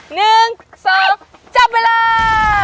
หนึ่งสองจับเวลา